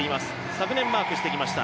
昨年マークしてきました。